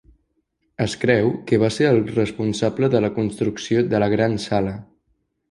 Es creu que va ser el responsable de la construcció de la gran sala.